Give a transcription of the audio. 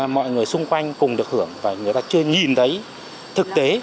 mọi người xung quanh cùng được hưởng và người ta chưa nhìn thấy thực tế